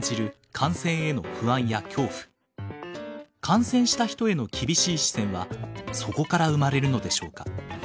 感染した人への厳しい視線はそこから生まれるのでしょうか。